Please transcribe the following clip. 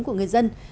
của người dân